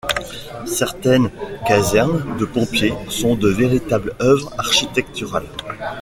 Certaines casernes de pompiers sont de véritables œuvres architecturales.